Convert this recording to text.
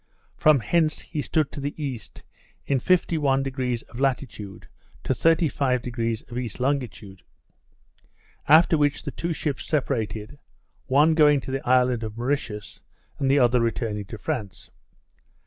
From hence he stood to the east, in 51° of latitude to 35° of E. longitude: After which the two ships separated, one going to the island of Mauritius, and the other returning to France.